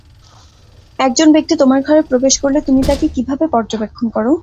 একজন ব্যাক্তি তোমার ঘরে প্রবেশ করলে তুমি তাকে কিভাবে পর্যবেক্ষণ করো?